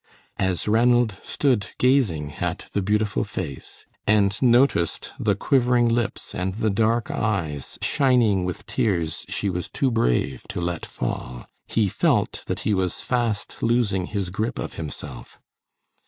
As Ranald stood gazing at the beautiful face, and noticed the quivering lips and the dark eyes shining with tears she was too brave to let fall, he felt that he was fast losing his grip of himself.